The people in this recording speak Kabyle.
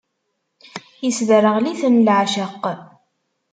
Isderɣel-iten leɛceq.